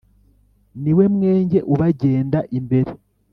niwe mwenge ubagenda imbere